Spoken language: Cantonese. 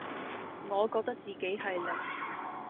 我覺得自己係零